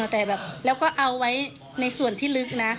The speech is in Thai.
แต่แบบแล้วก็เอาไว้ในส่วนที่ลึกนะ